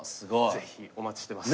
ぜひお待ちしてます。